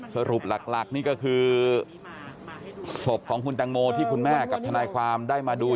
สรุปหลักนี่ก็คือศพของคุณตังโมที่คุณแม่กับทนายความได้มาดู